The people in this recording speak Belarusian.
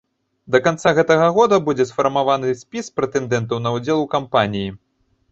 Да канца гэтага года будзе сфармаваны спіс прэтэндэнтаў на ўдзел у кампаніі.